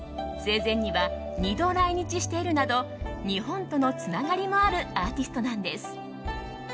生前には２度来日しているなど日本とのつながりもあるアーティストなんです。